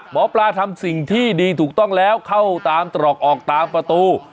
หมอปลาทำสิ่งที่ดีถูกต้องแล้วเข้าตามตรอกออกตามประตู